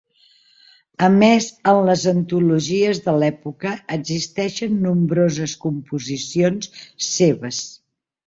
A més en les antologies de l'època existeixen nombroses composicions seves.